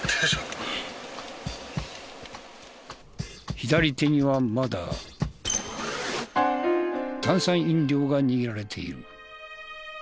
左手にはまだ炭酸飲料が握られている。